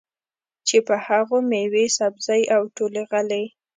چې په هغو کې مېوې، سبزۍ او ټولې غلې